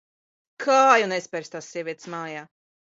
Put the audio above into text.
Kāju nespersi tās sievietes mājā.